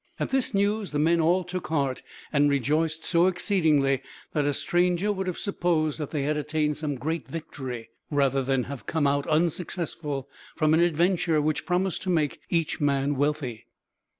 At this news the men all took heart, and rejoiced so exceedingly that a stranger would have supposed that they had attained some great victory, rather than have come out unsuccessful from an adventure which promised to make each man wealthy.